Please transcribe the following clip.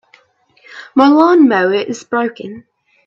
My lawn-mower is broken.